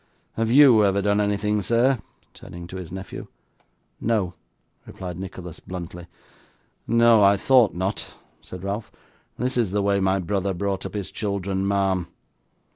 Have YOU ever done anything, sir?' (turning to his nephew.) 'No,' replied Nicholas, bluntly. 'No, I thought not!' said Ralph. 'This is the way my brother brought up his children, ma'am.